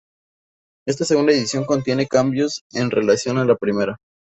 Esta segunda edición contiene cambios en relación a la primera.